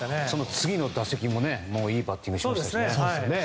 次の打席もいいバッティングしましたね。